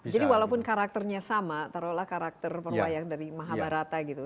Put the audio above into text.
jadi walaupun karakternya sama taruhlah karakter perwayang dari mahabharata gitu